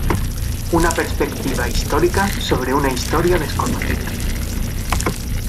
Una perspectiva histórica sobre una historia desconocida.